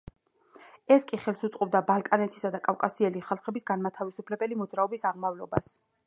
ეს კი ხელს უწყობდა ბალკანეთისა და კავკასიელი ხალხების განმათავისუფლებელი მოძრაობის აღმავლობას.